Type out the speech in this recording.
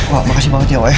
wah makasih banget ya wah ya